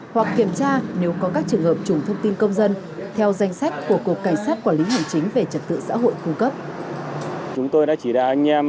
hoặc kiểm tra nếu có các trường hợp chủng thông tin công dân theo danh sách của cục cảnh sát quản lý hành chính về trật tự xã hội cung cấp